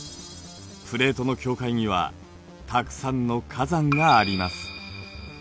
プレートの境界にはたくさんの火山があります。